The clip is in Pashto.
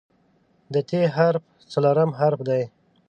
د "ت" حرف څلورم حرف دی.